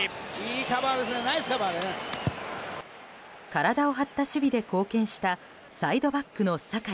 体を張った守備で貢献したサイドバックの酒井。